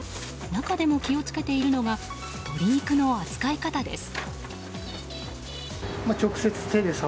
中でも気を付けているのが鶏肉の扱い方です。